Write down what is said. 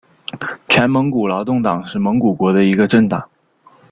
全蒙古劳动党是蒙古国的一个政党。